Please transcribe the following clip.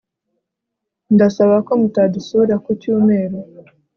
ndasaba ko mutadusura kucyumeru